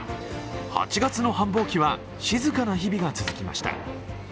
８月の繁忙期は静かな日々が続きました。